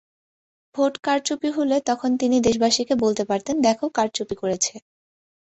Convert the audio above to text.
Vote কারচুপি হলে তখন তিনি দেশবাসীকে বলতে পারতেন, দেখো কারচুপি করেছে।